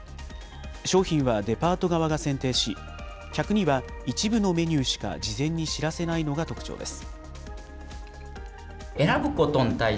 商品はデパート側が選定し、客には一部のメニューしか事前に知らせないのが特徴です。